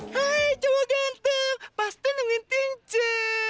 hai cowok ganteng pasti nungguin tinje